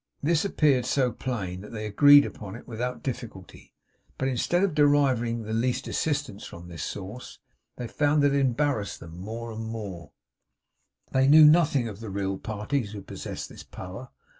This appeared so plain, that they agreed upon it without difficulty; but instead of deriving the least assistance from this source, they found that it embarrassed them the more. They knew nothing of the real parties who possessed this power.